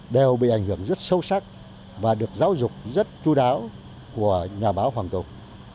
đều bị ảnh hưởng rất sâu sắc và được giáo dục rất chú đáo của nhà báo hoàng tùng